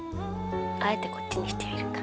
あえてこっちにしてみるか。